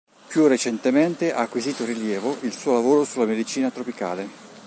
Più recentemente ha acquisito rilievo il suo lavoro sulla medicina tropicale.